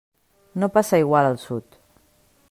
No passa igual al Sud.